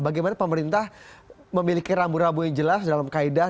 bagaimana pemerintah memiliki rambu rambu yang jelas dalam kaedah